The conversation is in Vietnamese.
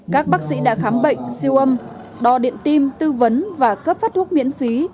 các bác sĩ đã khám bệnh siêu âm đo điện tim tư vấn và cấp phát thuốc miễn phí